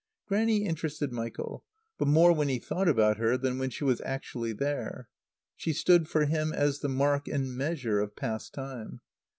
Grannie interested Michael; but more when he thought about her than when she was actually there. She stood for him as the mark and measure of past time.